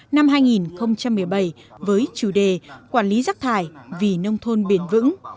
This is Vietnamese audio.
năm hai nghìn một mươi bảy với chủ đề quản lý rác thải vì nông thôn bền vững